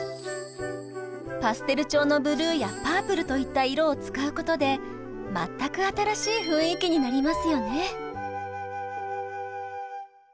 パステル調のブルーやパープルといった色を使うことで全く新しい雰囲気になりますよね。